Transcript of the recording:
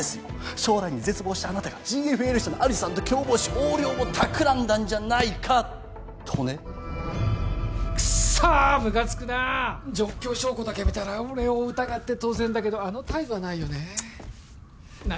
将来に絶望したあなたがＧＦＬ社のアリさんと共謀し横領をたくらんだんじゃないかとねクッソーむかつくな状況証拠だけ見たら俺を疑って当然だけどあの態度はないよねなあ